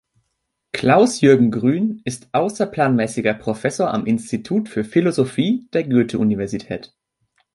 Klaus-Jürgen Grün ist außerplanmäßiger Professor am Institut für Philosophie der Goethe-Universität.